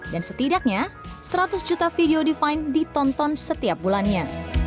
dan setidaknya seratus juta video di vine ditonton setiap bulannya